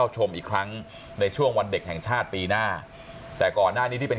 ชมอีกครั้งในช่วงวันเด็กแห่งชาติปีหน้าแต่ก่อนหน้านี้ที่เป็น